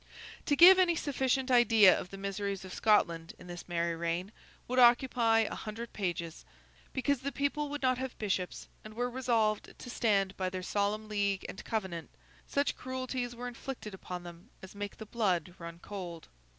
To give any sufficient idea of the miseries of Scotland in this merry reign, would occupy a hundred pages. Because the people would not have bishops, and were resolved to stand by their solemn League and Covenant, such cruelties were inflicted upon them as make the blood run cold.